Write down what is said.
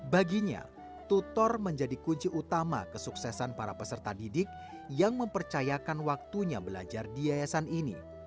baginya tutor menjadi kunci utama kesuksesan para peserta didik yang mempercayakan waktunya belajar di yayasan ini